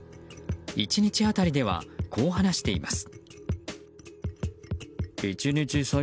１日当たりではこう話しています。